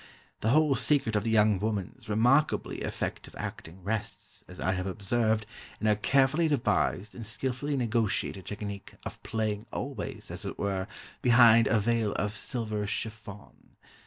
The whole secret of the young woman's remarkably effective acting rests, as I have observed, in her carefully devised and skillfully negotiated technique of playing always, as it were, behind a veil of silver chiffon....